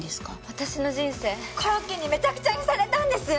私の人生コロッケにめちゃくちゃにされたんです！